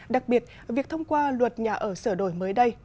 đặc biệt việc thông qua luật nhà ở sửa đổi mới đây